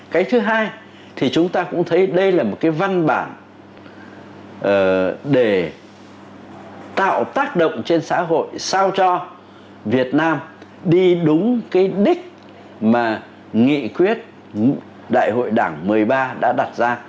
cái thứ hai thì chúng ta cũng thấy đây là một cái văn bản để tạo tác động trên xã hội sao cho việt nam đi đúng cái đích mà nghị quyết đại hội đảng một mươi ba đã đặt ra